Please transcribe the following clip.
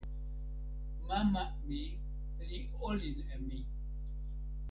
mama mi li olin e mi.